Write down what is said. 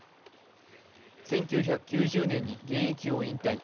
１９９０年に現役を引退。